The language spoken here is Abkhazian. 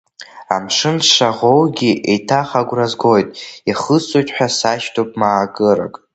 Амшын сшаӷоугьы, еиҭах агәра згоит, ихысҵоит ҳәа сашьҭоуп маакырак…